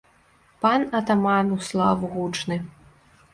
Пан атаман ў славу гучны.